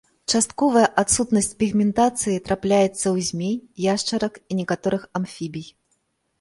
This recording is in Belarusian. Частковая адсутнасць пігментацыі трапляецца ў змей, яшчарак і некаторых амфібій.